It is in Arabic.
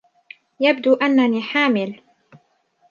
يبدو أنّني حامل.